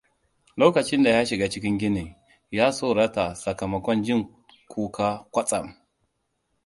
Lokacin da ya shiga cikin ginin, ya tsorata sakamakon jin kuka kwatsam.